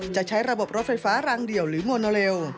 จะใช้ระบบรถไฟฟ้ารางเดี่ยวหรือโมโนเรล